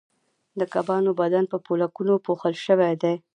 د کبانو بدن په پولکونو پوښل شوی دی